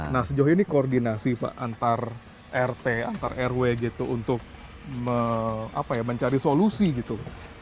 nah sejauh ini koordinasi pak antar rt antar rw gitu untuk mencari solusi gitu